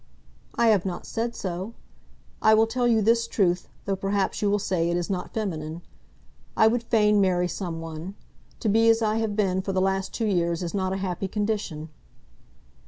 "I have not said so. I will tell you this truth, though perhaps you will say it is not feminine. I would fain marry some one. To be as I have been for the last two years is not a happy condition."